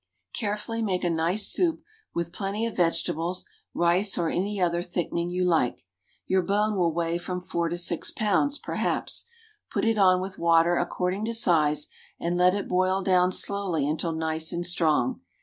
Carefully make a nice soup, with plenty of vegetables, rice, or any other thickening you like. Your bone will weigh from four to six pounds, perhaps; put it on with water according to size, and let it boil down slowly until nice and strong.